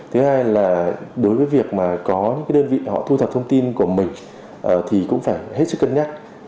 thứ hai là đối với việc mà có những đơn vị họ thu thập thông tin của mình thì cũng phải hết sức cân nhắc